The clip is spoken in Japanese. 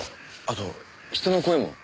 あと人の声も。